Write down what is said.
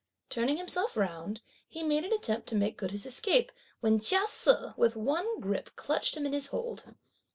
Turning himself round, he made an attempt to make good his escape, when Chia Se with one grip clutched him in his hold.